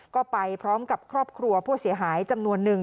ก็ไปพร้อมกับครอบครัวผู้เสียหายจำนวนนึง